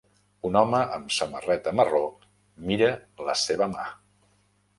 Un home amb samarreta marró mira la seva mà.